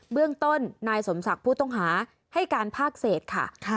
เรื่องต้นนายสมศักดิ์ผู้ต้องหาให้การภาคเศษค่ะ